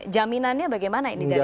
jaminannya bagaimana ini dari